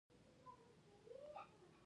سخت مخالفین را وبلل.